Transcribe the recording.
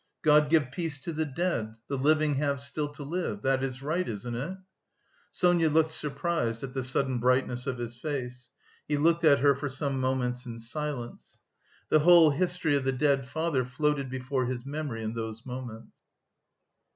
"God give peace to the dead, the living have still to live. That is right, isn't it?" Sonia looked surprised at the sudden brightness of his face. He looked at her for some moments in silence. The whole history of the dead father floated before his memory in those moments....